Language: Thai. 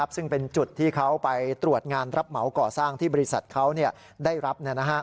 ซึ่งเป็นจุดที่เขาไปตรวจงานรับเหมาก่อสร้างที่บริษัทเขาได้รับ